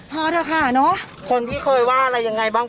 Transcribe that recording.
พอเถอะค่ะเนอะคนที่เคยว่าอะไรยังไงบ้าง